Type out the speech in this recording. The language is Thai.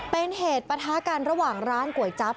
เป็นเหตุประทะกันระหว่างร้านก๋วยจั๊บ